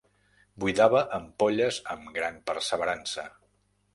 Buidava ampolles amb gran perseverança.